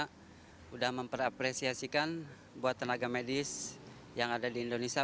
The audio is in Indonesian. sudah memperapresiasikan buat tenaga medis yang ada di indonesia